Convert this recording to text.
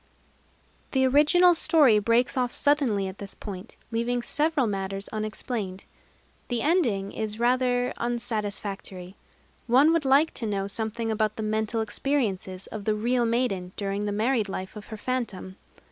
[Decoration] The original story breaks off suddenly at this point, leaving several matters unexplained. The ending is rather unsatisfactory. One would like to know something about the mental experiences of the real maiden during the married life of her phantom.